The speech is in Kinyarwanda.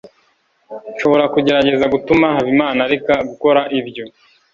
nshobora kugerageza gutuma habimana areka gukora ibyo